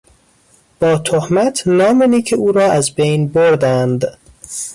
با تهمت نام نیک او را از بین بردند.